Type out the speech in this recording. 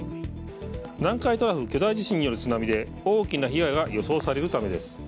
南海トラフ巨大地震による津波で大きな被害が予想されるためです。